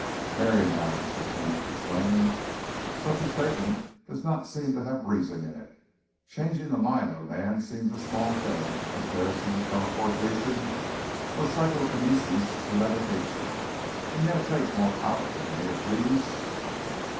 "Marry, now," Sir Kenneth exclaimed, "such a statement does not seem to have reason in it. Changing the mind of a man seems a small thing in comparison to teleportation, or psychokinesis, or levitation. And yet it takes more power than any of these?"